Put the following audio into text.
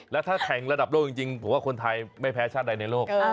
แล้วถ้าแข่งระดับโลกจริงผมว่าคนไทยไม่แพ้ชาติใดในโลก